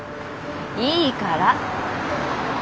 いいから。